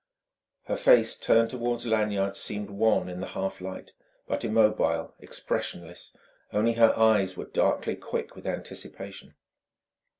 Her face, turned toward Lanyard, seemed wan in the half light, but immobile, expressionless; only her eyes were darkly quick with anticipation.